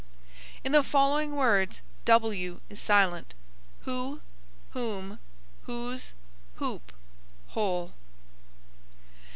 In the following words w is silent: who, whom, whose, whoop, whole.